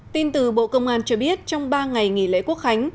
tin từ bộ công an cho biết trong ba ngày nghỉ lễ quốc khánh